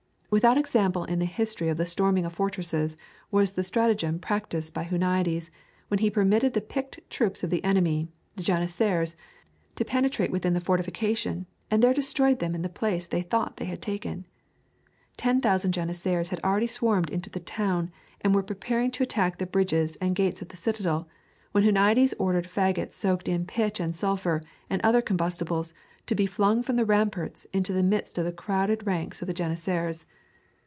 Without example in the history of the storming of fortresses was the stratagem practised by Huniades when he permitted the picked troops of the enemy, the janissaries, to penetrate within the fortification and there destroyed them in the place they thought they had taken. Ten thousand janissaries had already swarmed into the town and were preparing to attack the bridges and gates of the citadel, when Huniades ordered fagots soaked in pitch and sulphur and other combustibles to be flung from the ramparts into the midst of the crowded ranks of the janissaries.